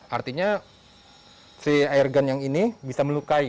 artinya si airgun yang ini bisa melukai